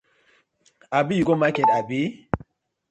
Abi you go market abi?